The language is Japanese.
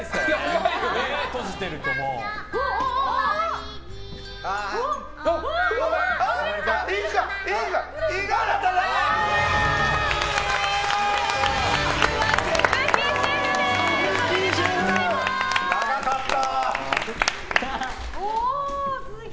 長かった。